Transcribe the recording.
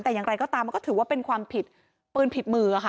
แต่อย่างไรก็ตามมันก็ถือว่าเป็นความผิดปืนผิดมือค่ะ